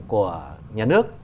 của nhà nước